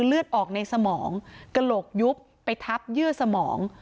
เลือดออกในสมองกระโหลกยุบไปทับเยื่อสมอง